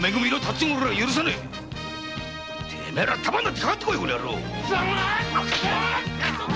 てめえら束になってかかってこい！